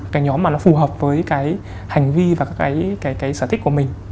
cái nhóm mà nó phù hợp với cái hành vi và cái sở thích của mình